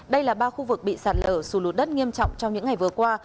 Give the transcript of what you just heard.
đây là ba khu vực bị sạt lở xù lún đất nghiêm trọng trong những ngày vừa qua